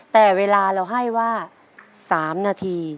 แต่เวลาเราให้ว่า๓นาที